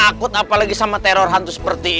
takut apalagi sama teror hantu seperti